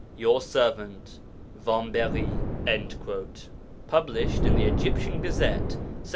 Your servant, VAMBERY.' (Published in the Egyptian Gazette, Sept.